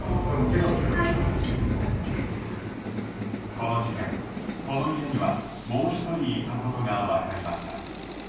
この事件、この家にはもう１人いたことが分かりました。